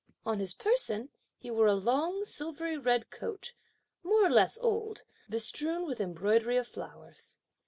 On his person, he wore a long silvery red coat, more or less old, bestrewn with embroidery of flowers.